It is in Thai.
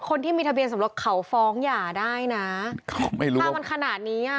คนที่มีทะเบียนสมรสเขาฟ้องหย่าได้นะเขาไม่รู้ถ้ามันขนาดนี้อ่ะ